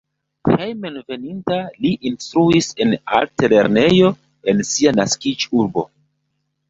Hejmenveninta li instruis en altlernejo en sia naskiĝurbo.